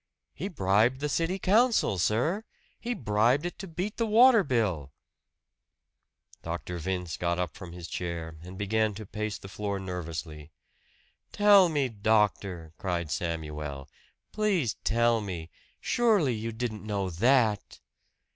"He bribed the city council, sir! He bribed it to beat the water bill." Dr. Vince got up from his chair and began to pace the floor nervously. "Tell me, doctor!" cried Samuel. "Please tell me! Surely you didn't know that!"